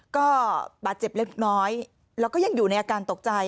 ก็บาดเจ็บเล็กน้อยแล้วก็ยังอยู่ในอาการตกใจ